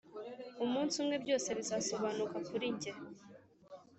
Umunsi umwe byose bizasobanuka kuri njye